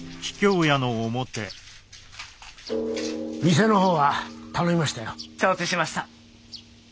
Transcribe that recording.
・店の方は頼みましたよ。承知しました。